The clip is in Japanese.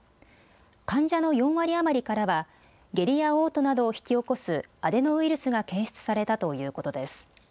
患者の４割余りからは下痢やおう吐などを引き起こすアデノウイルスが検出されたということです。